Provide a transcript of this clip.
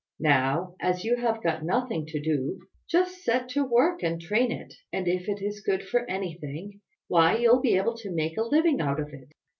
Now, as you have got nothing to do, just set to work and train it; and if it is good for anything, why you'll be able to make a living out of it."